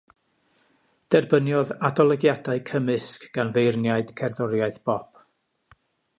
Derbyniodd adolygiadau cymysg gan feirniaid cerddoriaeth bop.